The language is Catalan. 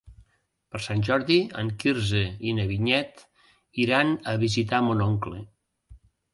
Per Sant Jordi en Quirze i na Vinyet iran a visitar mon oncle.